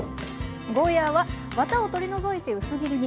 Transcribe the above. ゴーヤーはわたを取り除いて薄切りに。